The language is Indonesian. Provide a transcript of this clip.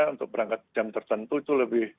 untuk berangkat jam tertentu itu lebih